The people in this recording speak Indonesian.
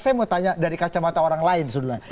saya mau tanya dari kacamata orang lain sebenarnya